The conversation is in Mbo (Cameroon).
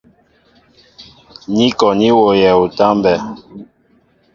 Ní kɔ ní wooyɛ utámbɛ́ɛ́.